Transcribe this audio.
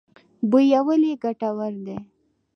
بویول ګټور دی.